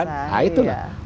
nah itu lah